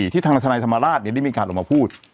ที่ทหัสธนาธรรมราชเนี่ยได้มีการออกมาพูด